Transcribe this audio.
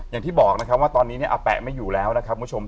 อย่างที่บอกว่าตอนนี้แปะไม่อยู่แล้วโมชม